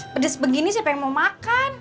pedes begini siapa yang mau makan